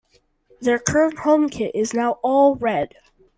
Their current home kit is now all red.